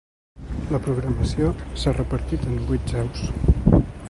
La programació s’ha repartit en vuit seus.